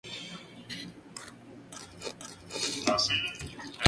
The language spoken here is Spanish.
Las costillas son cónicas o cilíndricas truncadas sin savia lechosa.